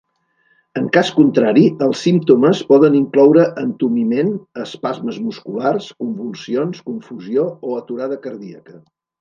En cas contrari els símptomes poden incloure entumiment, espasmes musculars, convulsions, confusió o aturada cardíaca.